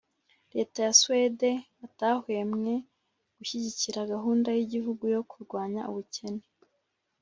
leta ya suwede batahwemye gushyigikira gahunda y'igihugu yo kurwanya ubukene